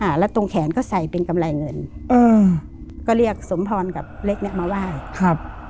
แล้วตรงแขนก็ใส่เป็นกำไรเงินอืมก็เรียกสมพรกับเล็กเนี้ยมาไหว้ครับ